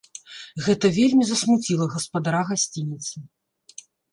Гэта вельмі засмуціла гаспадара гасцініцы.